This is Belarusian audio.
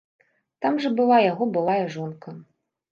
Там жа была яго былая жонка.